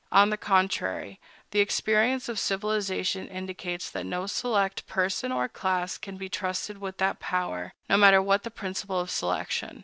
On the contrary, the experience of civilization indicates that no select person or class can be trusted with that power, no matter what the principle of selection.